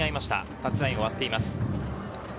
タッチラインを割っています。